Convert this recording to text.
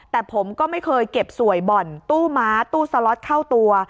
แต่ผมก็ไม่เคยเก็บสวยบ่อนตู้ม้าตู้สล็อตเข้าตัว